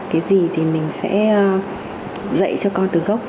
cái gì thì mình sẽ dạy cho con từ gốc